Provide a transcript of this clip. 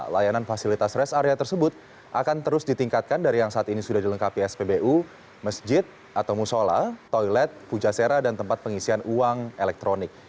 layanan fasilitas rest area tersebut akan terus ditingkatkan dari yang saat ini sudah dilengkapi spbu masjid atau musola toilet pujasera dan tempat pengisian uang elektronik